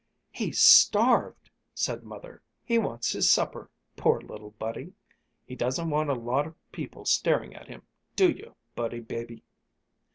"He's starved!" said Mother. "He wants his supper, poor little Buddy! He doesn't want a lot of people staring at him, do you, Buddy baby?"